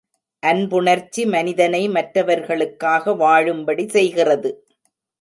அன்புணர்ச்சி மனிதனை மற்றவர்களுக்காக வாழும்படி செய்கிறது.